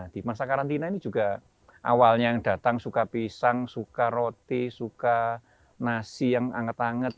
di masa karantina ini juga awalnya yang datang suka pisang suka roti suka nasi yang anget anget